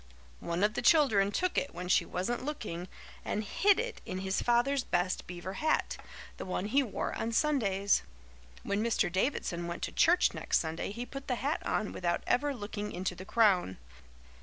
One of the children took it when she wasn't looking and hid it in his father's best beaver hat the one he wore on Sundays. When Mr. Davidson went to church next Sunday he put the hat on without ever looking into the crown.